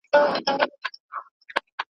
ښه حافظه د ښه ژوند مرسته کوي.